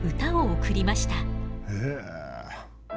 へえ。